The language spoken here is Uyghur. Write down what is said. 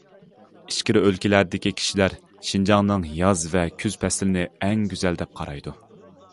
ئىچكىرى ئۆلكىلەردىكى كىشىلەر شىنجاڭنىڭ ياز ۋە كۈز پەسلىنى ئەڭ گۈزەل دەپ قارايدۇ.